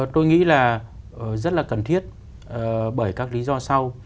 tôi nghĩ là rất là cần thiết bởi các lý do sau